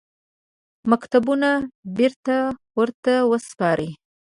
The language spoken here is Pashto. مکتوبونه بېرته ورته وسپاري.